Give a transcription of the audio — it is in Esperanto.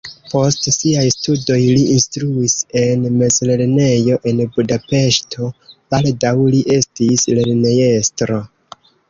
Post siaj studoj li instruis en mezlernejo en Budapeŝto, baldaŭ li estis lernejestro.